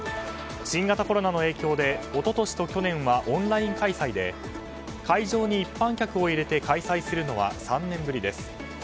新型コロナの影響で一昨年と去年はオンライン開催で会場に一般客を入れて開催するのは３年ぶりです。